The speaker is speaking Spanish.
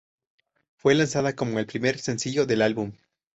Fue lanzada como el primer sencillo del álbum.